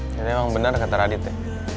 jadi emang benar kata radit ya